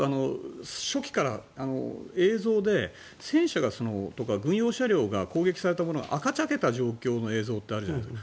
初期から映像で戦車とか軍用車両が攻撃された時に赤茶けた映像があるじゃないですか。